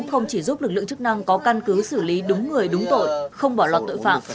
không chỉ giúp lực lượng chức năng có căn cứ xử lý đúng người đúng tội không bỏ lọt tội phạm